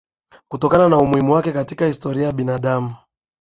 Kutokana na umuhimu wake katika historia ya binadamu